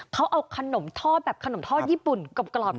เขาเอาขนมทอดแบบขนมทอดญี่ปุ่นกรอบ